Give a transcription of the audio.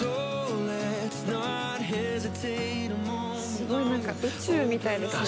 すごい何か宇宙みたいですね。